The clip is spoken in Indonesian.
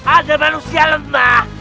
ada manusia lemah